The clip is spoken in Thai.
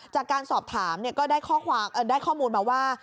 จากการสอบถามก็ได้ข้อมูลมาว่า